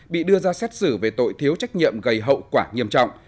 bị đưa ra xét xử về tội thiếu trách nhiệm gây hậu quả nghiêm trọng